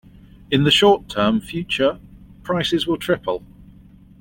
In the short term future, prices will triple.